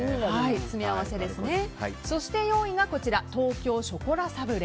そして４位が東京ショコラサブレ。